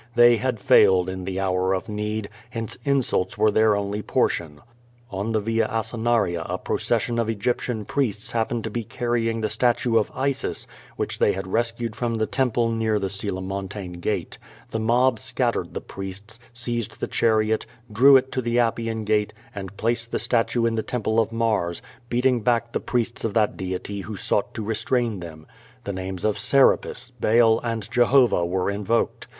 They had failed in the hour of need, hence insults were Iheir only portion. On the Via Asinaria a procession of Egyptian priests happened to be carrying the statue of Isis, which they had rescued from the temple near the Coelimon tane Gate. The mob scattered the priests, seized the chariot, drew it to the Appian Gate, and placed the statue in the Tern 328 5t7^ VADI8, pie of Mars, beating back the priests of that deity who sought to restrain them. The names of Serapis, Baal, and Jehovah were invoked.